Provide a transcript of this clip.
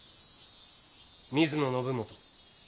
水野信元。